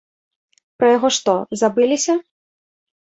Пра яго што, забыліся?